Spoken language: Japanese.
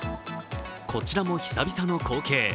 こちらも久々の光景。